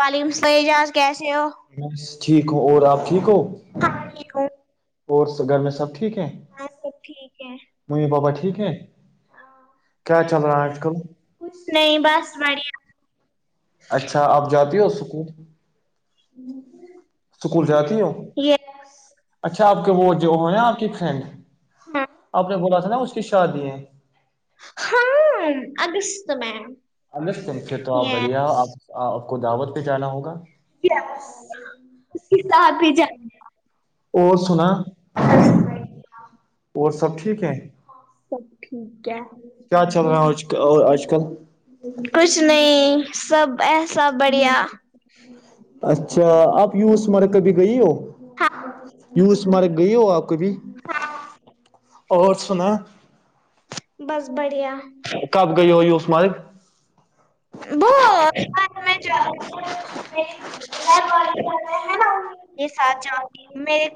وعلیکم السلام اعجاز کیسے ہو بس ٹھیک ہ اور آپ ٹھیک ہو ٹھیک ہوں اور س گھر میں سب ٹھیک ہے سب ٹھیک ہے ممی پپا ٹھیک ہے کیا چل رہا آج کل نہیں بس بڑیا اچھا آپ جاتی ہو سک اسکول جاتی ہو یہ اچھا آپ کے وہ جو ہے نا آپ کی ڈ ہاں آپ نے بولا تھا نا اس کی شادی ہے ہاں اگست میں پھر تو آپ یہ بڑھیا آپ آپ کو دعوت پہ جانا ہوگا ساتھ بھی جا اور سنا اور سب ٹھیک ہے سب ٹھیک ہے کیا چل رہا ہے آج اور آج کل کچھ نہیں سب ایسا بڑھیا اچھا آپ یوس مر کبھی گئی ہو ہاں یوس مار گئی ہو آپ کبھی اور سنا بس بڑھیا کب گئی ہوئیی اسثماند وہ میں جو وہ ہے نا، نہیںڑا یہ سات ج میر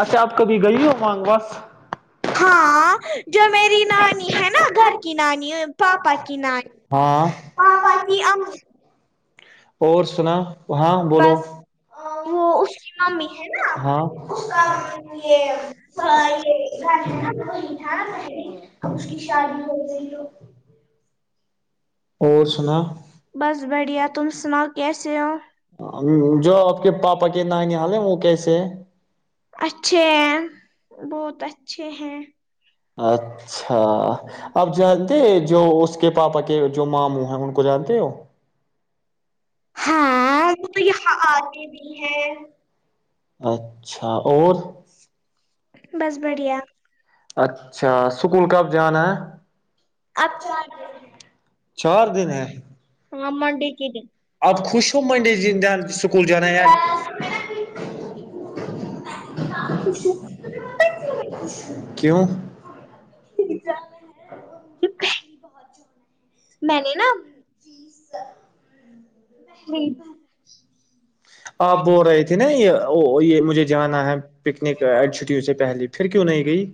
اچھا آپ کبھی گئی ہو مانگواس ہاں جو میری نانی ہے نا گھر کی نانی پاپا کی نانی ہاں ہاں باقی آپ اور سنا ہاں بولو بس وہ اس کی ممی ہے نا ہاں آ، ن وہ تھا اس کی شادی ہو گئی تو سنا بس بڑھیا تم سنا کیسے ہو جو آپ کے پاپا کے نانی حال ہے وہ کیسے ہے اچھے ہیں بہت اچھے ہیں اچھا آپ جانتے جو اس کے پاپا کے جو ماموں ہیں ان کو جانتے ہو ہاں وہ تو یہاں آمی بھی ہے اچھا اور بس بڑھیا اچھا سکول کب جانا ہے اب چار دن ہے ہاں منڈے کے دن اب خوش تو منڈے جان سکول جان ہے کشے کیوں کچا پہلی بہت جونا ہے میں نے نا ستا نہیں آپ بول رہے تھے نا یہ یہ مجھے جانا ہے پکنک ای چھٹیوں سے پہلے پھر کیوں نہیں گئی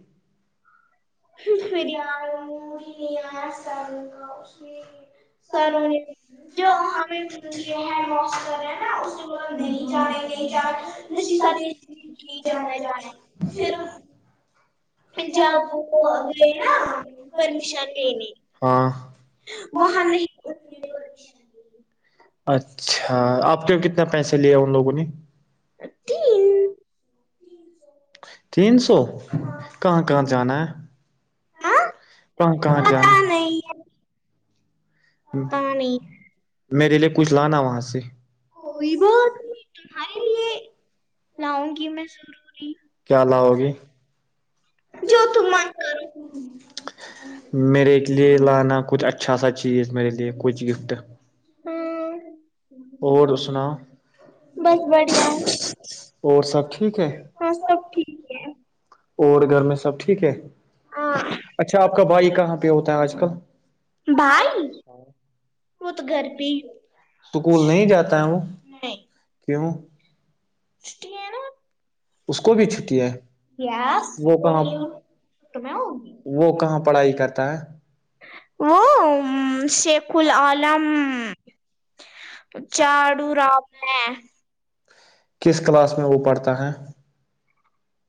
پہلے ہی سال کا اس بھر رکھی ہے میری سروں نے جو ہمیں اسی ہیں موس نہیں جے نہیں جان رش ساتھ نہیں جانا جا چاہتی جھر پھر میں جاؤں گی نا پرمیشن لینے ہاں وہاں نہیں اچھا آپ کے کتنا پیسے لے ان لوگوں نے ہ تین تین سو کہاں کہاں جانا ہے ہاں کہاں کہاں جان پتا نہیں ہ پتا نہیں میرے لیے کچھ لانا وہاں سے کوئی ب تمہارے لیے لاؤں گی میں ضروری کیا لا ہوگی جو تم میرے کے لئے لانا کچھ اچھا سا چیز میرے لیے کچھ گفٹ اور ہوں سناؤ بس بڑھیا اور سب ٹھیک ہے ہاں سب ٹھیک ہے اور گھر میں سب ٹھیک ہے ہاں اچھا آپ کا بھائی کہاں پہ ہوتا ہے آج کل بھائی وہ تو گربی توکول نہیں جاتا ہے وہ کیوں چٹھی ہے نا اس کو بھی چھٹی ہے س وہ کہاں تم ہو وہ کہاں پڑھائی کرتا ہے وہ شیخ العالم جاڑو راب ہے کس کلاس میں وہ پڑھتا ہے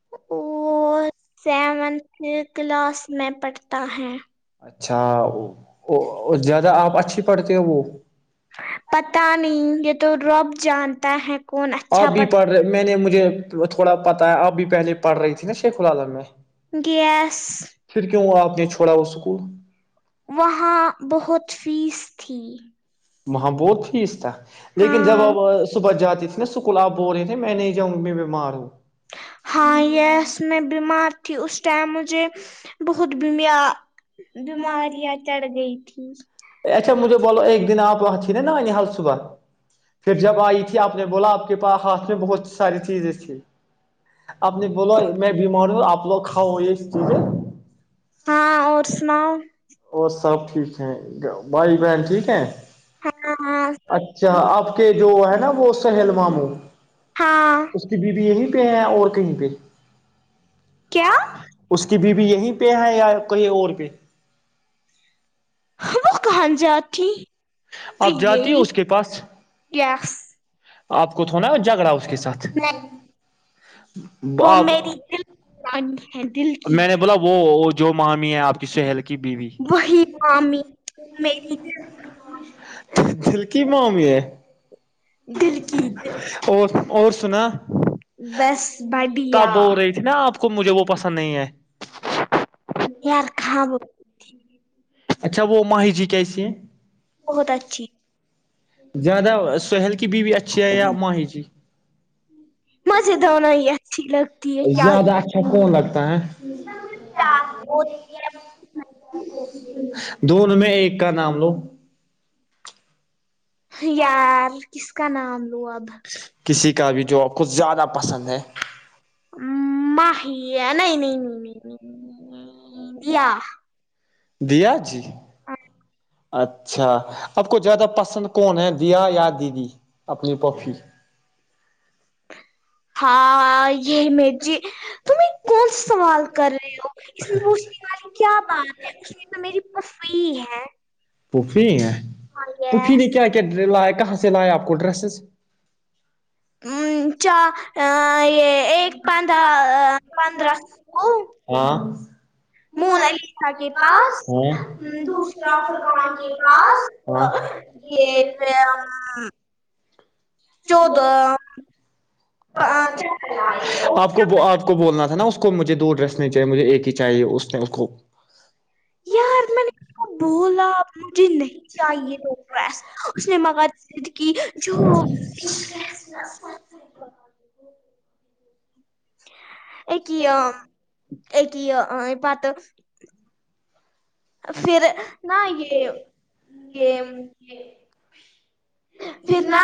[unintelligible] ہاں سیونتھ کلاس میں پڑھتا ہے اچھا زیادہ آپ اچھی پڑھتے ہو وہ پت نہیں یہ تو رب جانتا ہے کون اچھا آپ بھی پڑھ رہے میں نے مجھے تھوڑا پتا ہے آپ بھی پہلے پڑھ رہی تھی نا شیخعال میں گیس پھر کیوں ہوا آپ نے چھوڑا وہ اسکول وہاں بہت فیس تھی وہاں بہت فیس تھا لیکن جب ہاں اب صبح جاتی کول آپ بول رہے تھے میں نہیں جؤں گی میں بیمار ہوں ہاں یس میں بیمار تھی اس ٹائم مجھے بہت بمیا تھی اچھا مجھے بولو ایک دن آپ ن ن میں نے حل صبح پھر جب آئی تھی آپ نے بولا آ کے پاس ہاتھ میں بہت ساری چیزیں تھھی آپ نے بو میں بیمار ہوں آپ لوگ کاؤ یہ چیزیں ہاں اور سناؤ اور سب ٹھیک ہے بھائی بہن ٹھیک ہے ہاں اچھا آپ کے جو ہے نا وہ سہلواموں ہاں اس کی بیوی یہیں پہ ہے اور کہیں پہ کیا اس کی بیوی یہیں پہ ہے یا کہیں اور پہ وہ کہاں جاتی تو آپ جاتی ہو یہی اس کے پاس یس آپ کو تھو نا جھگڑا اس کے ساتھ آپ وہمیرانی میں نے بولا وہ جو ماہام ہے آپ کی سحل کی ک کی بیوی وہی مامی میری دلک مام یہ دل کی اور اور سنا بس بڑھیا تب ہو رہی نا آپ کو مجھے وہ پسند نہیں ہے ار کھ ب اچھا وہ ماہی جی کیسی ہیں بہت اچھی زیادہ سہیل کی بیوی اچھی ہے یا ماہی جی مزے دووننا ہی اچھی لگتی ہے کیا اچا کون لگتا ہے دون میں ایک کا نام لوں یار کس کا نام لو اب کسی کا بھی جو آپ کو زیادہ پسند ہے میا نہیں نہیں نہیں نہیں یا دیا جی اچ اچھا آپ کو زیادہ پسند کون ہے دیا یا دیدی اپنی پوپھی ہاں یہ م جی تمہیں کون س سوال کر رہے ہو اسچ کیا بات ہے اس کی تو میری پفی ہے پفی ہیں اور یہ پفی نے کیا کیا لا کہاں سے لایا آپ کو ڈریسز چ یہ ایک پندرہ پندرہ کو مون عیسا کے پاس م، دو ہاں ام کے پاس یہ چودہ پانچ آ کو بولنا تھا نا اس کو مجھے دو ڈریس نہیں چاہیے مجھے ایک ہی چاہیے اس نے اس کو یار میں نے بولا آپ جی نہیں آئیے دو پس اس نے مگ کی جو [unintelligible] ایک ہی یہ ایک ہی یہ یہ بات پھر ن یہ یہ جک پھر نہ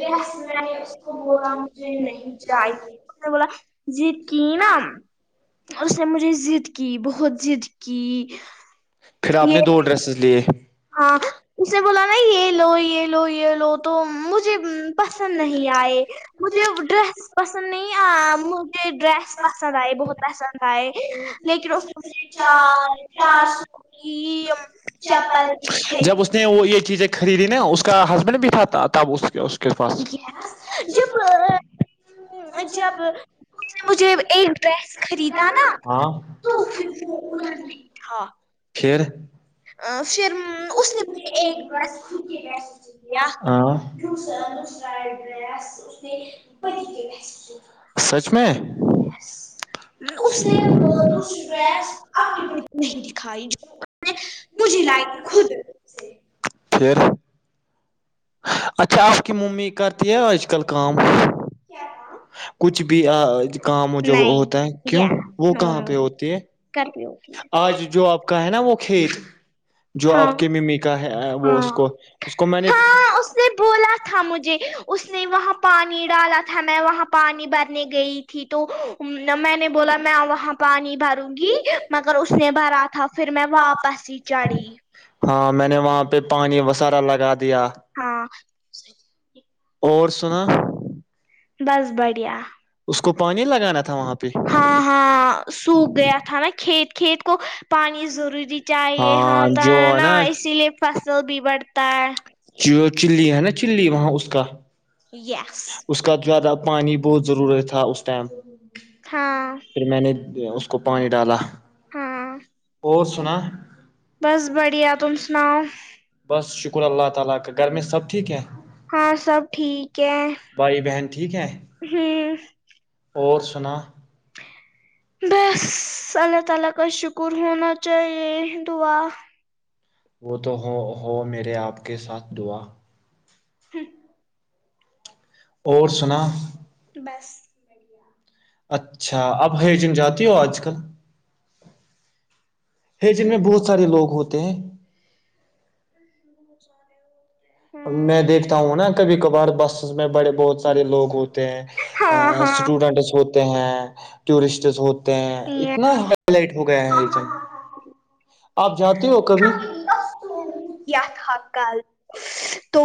یہس میں اس کو بولا مجھے نہیں چاہیے بلا جی کی نام اس نے مجھے ضد کی بہت ضد کی پھر آپ یہ نے دو ڈریسز لیے ہاں اس نے بولا نا یہ لو یہ لو یہ لو تو مجھے پسند نہیں آئے مجھے ڈریس پسند نہیں آ مجھے ڈریس پسند آئی بہت پسند لیکن چپ جب اس نے وہ یہ چیزیں خریدی نا اس کا ہسبینڈ بٹھاتا تب اس اس کے پاس گ جو پ جب مجھے ایک ڈریس خریدا نا ہاں ہاں کیر آ شرم دیا آ ان اس نے پ کے سچ میں اس نے نہیں دکھائی مجھے لائی خود پھر اچھا آپ کی ممی کرتی ہے آج کل کام کچھ بھی کام جب نہیں ہوتا ہے کیوں یا وہ کہاں پہ ہوتی ہے کر بھی ہوتی ہے آج جو آپ کا ہے نا وہ کھیت جو ہاں آپ کے ممی کا ہے وہ ہاں اس کو اس کو میں نے ہاں اس نے بولا تھا مجھے اس نے وہاں پانی ڈالا تھا میں وہاں پانی بھرنے گئی تھی تو میں نے بولا میں وہاں پانی بھر وں گی مگر اس نے بھرا تھا پھر میں واپس ہی چڑھی ہاں میں نے وہاں پہ پانی وسارا لگا دیا ہاں اور سنا بس بڑھیا اس کو پانی لگانا تھا وہاں پہ ہاں ہاں سوکھ گیا تھا نا کھیت کھیت کو پانی ضروری چاہیے ہوتا ہے نا اسی لیے فصل بھی بڑھتا ہے جو چی ہے نا چلی وہاں اس کا یس اس کا زیادہ پانی بہت ضرورت تھا اس ٹائم ہاں پھر میں نے اس کو پانی ڈالا ہاں اور سنا بس بڑھیا تمم سناؤ بس شکر اللہ تعالی کا گھر میں سب ٹھیک ہیں ہاں سب ٹھیک ہے بہن ٹھیک ہے ہوں اور سن بس اللہ تعالی کا شکر ہونا چاہیے دعا وہ تو ہو ہو میرے آپ کے ساتھ دعا [unintelligible] اور سن بس اچھا اب ہے جن جاتی ہو آج کل ہے جن میں بہت سارے لوگ ہوتے ہیں ہوں میں دیکھتا ہوں نا کبھی کبھار بس میں بڑے بہت ب سارے لوگ ہوتے ہیں ہاں ہاں اسٹوڈنٹس ہوتے ہیں ٹورسٹس ہو یا اتنا ہ لائٹ ہو گیا ہے ایک جن آپ جاتے ہو کبھی ت حققال تو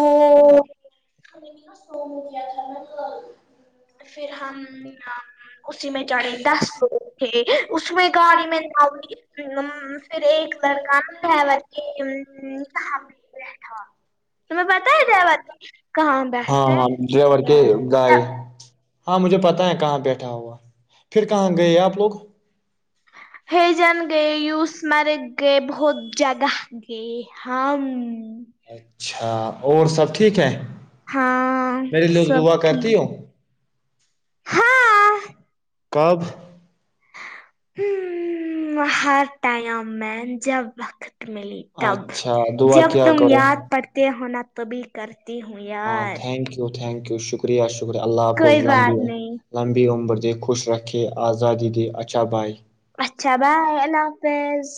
دیا تھانا پھر ہم اسی میں جڑے ڈس تھے اس میں گاڑی میں پھر ایک لڑکا کے کہ بیٹھا تمہیں پتا ہی تھا ب کہاں ہاں بیٹھتے ہاں ہیں ڈرائیور کے گائے ہاں مجھے پتاہ ہے کہاں پہ بیٹا ہوا پھر کہاں گئے آپ لوگ ہی جان گئے یوس مارے گئے بہت جگہ گ ہ اچھا اور سب ٹھیک ہے ہاں میری لو سب دعا کرتی ہ ہاں کب ہر ٹائم میں جب وقت ملی تب اچھا دعا جب کیا تم کرو یاد پڑتے ہو نا توبھی کرتی ہوں ہاں یار تھینک یو تھینک یو شکریہ شکریہ اللہ کو کوئی بات نہیں لمبی عمر دے خوش رکھ کہ آزادی دی اچھا بھائی اچھا بائی اللہ حافظ